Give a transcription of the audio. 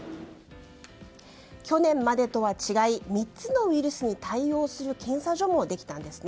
去年までとは違い３つのウイルスに対応する検査場もできたんですね。